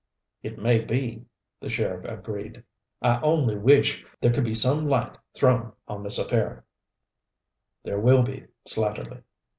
"It may be," the sheriff agreed. "I only wish there could be some light thrown on this affair " "There will be, Slatterly."